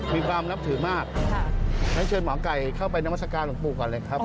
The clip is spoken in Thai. มีความนับถือมากงั้นเชิญหมอไก่เข้าไปนามัศกาลหลวงปู่ก่อนเลยครับ